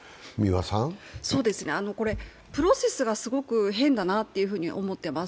プロセスがすごく変だなと思っています